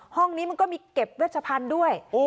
ห้องนี้มันก็มีเก็บเวชพันธุ์ด้วย